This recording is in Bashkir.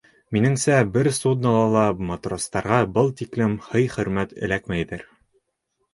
Минеңсә, бер суднола ла матростарға был тиклем һый-хөрмәт эләкмәйҙер.